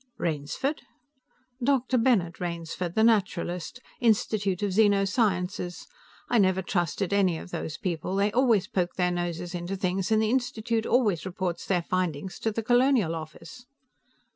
"Rainsford?" "Dr. Bennett Rainsford, the naturalist. Institute of Zeno Sciences. I never trusted any of those people; they always poke their noses into things, and the Institute always reports their findings to the Colonial Office."